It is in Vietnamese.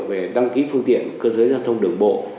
về đăng ký phương tiện cơ giới giao thông đường bộ